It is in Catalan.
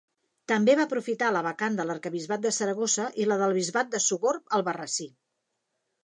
També va aprofitar la vacant de l'arquebisbat de Saragossa i la del bisbat de Sogorb-Albarrasí.